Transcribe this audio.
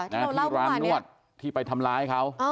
ที่ร้านนวดที่ไปทำร้ายเขา